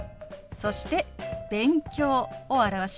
そして「勉強」を表します。